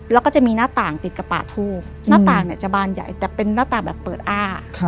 แล้วก็จะมีหน้าต่างติดกับป่าทูบหน้าต่างเนี่ยจะบานใหญ่แต่เป็นหน้าต่างแบบเปิดอ้า